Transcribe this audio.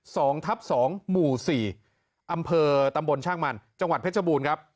สองทับสองหมู่สี่อำเภอตำบลช่างมันจังหวัดเพชรบูรณ์ครับ